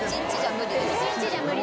一日じゃ無理。